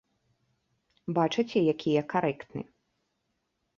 Бачыце, які я карэктны.